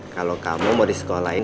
kalau kamu mau disekolahin